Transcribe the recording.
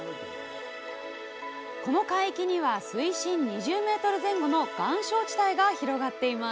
この海域には水深２０ｍ前後の岩礁地帯が広がっています。